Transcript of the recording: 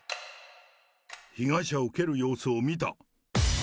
被害者を蹴る様子を見た。